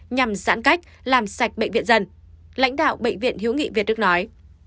nhằm giãn cách làm sạch bệnh viện dân lãnh đạo bệnh viện hiếu nghị việt đức nói